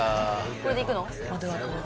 これで行くの？